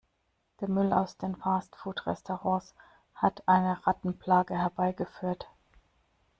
Der Müll aus den Fast-Food-Restaurants hat eine Rattenplage herbeigeführt.